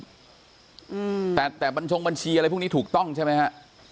มมมแต่แต่บัญชีอะไรพวกนี้ถูกต้องใช่ไม่ค่ะ